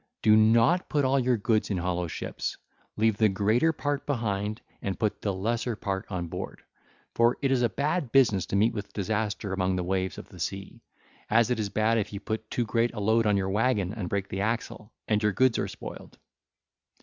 Do not put all your goods in hallow ships; leave the greater part behind, and put the lesser part on board; for it is a bad business to meet with disaster among the waves of the sea, as it is bad if you put too great a load on your waggon and break the axle, and your goods are spoiled.